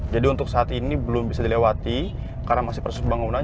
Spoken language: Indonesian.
untuk saat ini belum bisa dilewati karena masih proses pembangunan